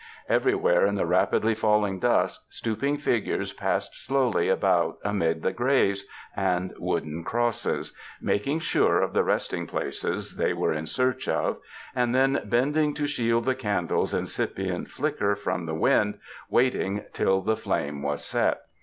Everywhere in the rapidly falling dusk, stooping figures passed slowly about amid the graves and wooden crosses, making sure of the resting places they were in search of, and then bending to shield the candles' incipient flicker from the wind, waited till the flame was set.